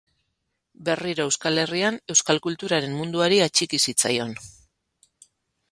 Berriro Euskal Herrian euskal kulturaren munduari atxiki zitzaion.